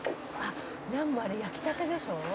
「ナンもあれ焼きたてでしょ？」